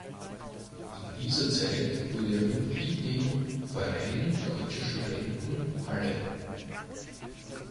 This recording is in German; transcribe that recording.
In dieser Zeit wurde er Mitglied im "Verein Deutscher Studenten Halle".